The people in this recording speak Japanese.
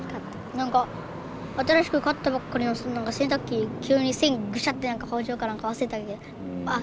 何か新しく買ったばっかりの洗濯機急に線グシャッて何か包丁か何か忘れたけどあっ